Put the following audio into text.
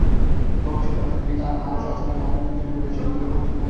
ভবিষ্যতে অর্থনীতি আরও সচল হলে আমদানির জন্য বৈদেশিক মুদ্রার প্রয়োজন হবে।